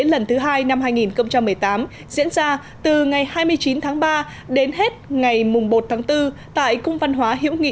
lần thứ hai năm hai nghìn một mươi tám diễn ra từ ngày hai mươi chín tháng ba đến hết ngày một tháng bốn tại cung văn hóa hữu nghị